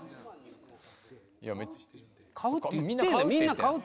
買うって言ってんだ